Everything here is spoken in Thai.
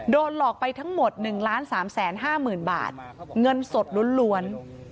โดนหลอกไปทั้งหมด๑๓๕๐๐๐บาทเงินสดล้วน